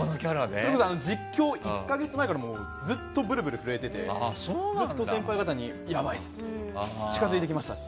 それこそ実況１か月前からブルブル震えていて先輩方に、ずっとやばいっす近づいてきましたって。